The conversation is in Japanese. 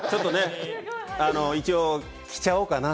一応、着ちゃおうかなぁ